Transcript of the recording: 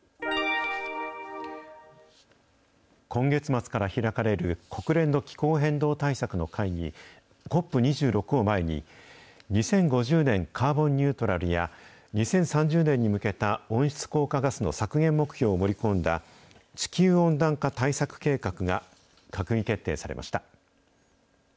今月末から開かれる国連の気候変動対策の会議、ＣＯＰ２６を前に、２０５０年カーボンニュートラルや、２０３０年に向けた温室効果ガスの削減目標を盛り込んだ、地球温暖化対策計画が閣議決定されました。